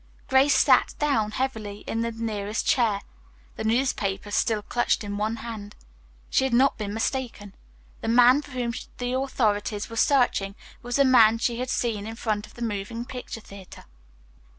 Grace sat down heavily in the nearest chair, the newspaper still clutched in one hand. She had not been mistaken. The man for whom the authorities were searching was the man she had seen in front of the moving picture theatre.